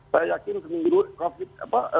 saya yakin seminggu covid